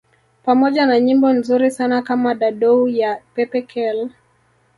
Pamoja na nyimbo nzuri sana kama Dadou ya Pepe Kalle